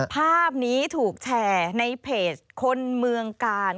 ภาพนี้ถูกแชร์ในเพจคนเมืองกาล